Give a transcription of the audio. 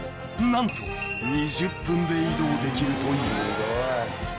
何と２０分で移動できるという］